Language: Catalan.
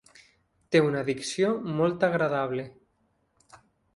Té una dicció molt agradable.